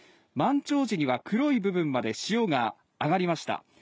満潮時には黒い部分まで潮が上がりました。